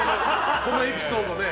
このエピソードね。